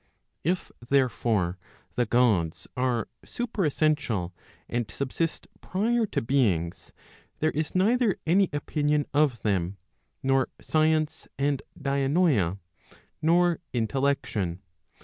If, therefore, the Gods are superessential, and subsist prior to beings, there is neither any opinion of them, nor science and dianoia, nor intellection.